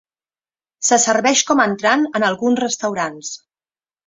Se serveix com a entrant en alguns restaurants.